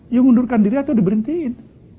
yang undurkan diri atau di berhentiin